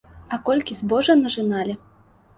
А колькі збожжа нажыналі!